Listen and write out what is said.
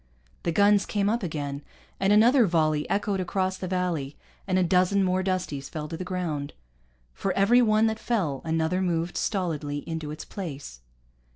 The guns came up again, and another volley echoed across the valley, and a dozen more Dusties fell to the ground. For every one that fell, another moved stolidly into its place.